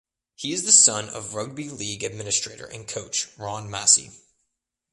He is the son of rugby league administrator and coach Ron Massey.